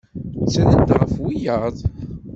Ttren-d ɣef wiyaḍ.